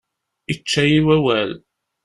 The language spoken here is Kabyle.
Ičča-yi wawal.